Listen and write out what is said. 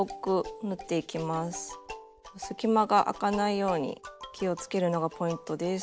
隙間があかないように気をつけるのがポイントです。